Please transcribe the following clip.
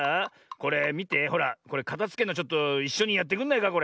これかたづけんのちょっといっしょにやってくんないかこれ。